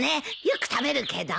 よく食べるけど？